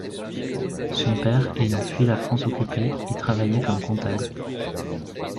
Son père, ayant fui la France occupée, y travaillait comme comptable.